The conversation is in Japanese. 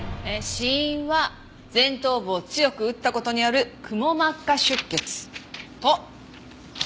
死因は前頭部を強く打った事によるくも膜下出血と脳挫傷。